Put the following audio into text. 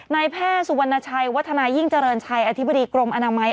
นายแพทย์สุวรรณชัยวัฒนายิ่งเจริญชัยอธิบดีกรมอนามัย